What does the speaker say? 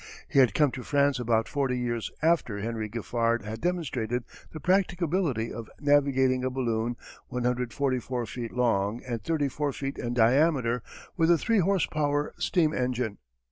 He had come to France about forty years after Henry Giffard had demonstrated the practicability of navigating a balloon 144 feet long and 34 feet in diameter with a three horse power steam engine.